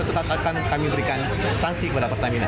itu akan kami berikan sanksi kepada pertamina